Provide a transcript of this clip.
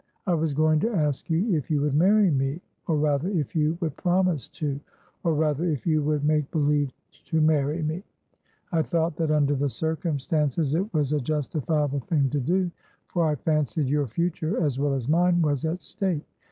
"I was going to ask if you would marry meor rather, if you would promise toor rather, if you would make believe to marry me. I thought that, under the circumstances, it was a justifiable thing to do, for I fancied your future, as well as mine, was at stake.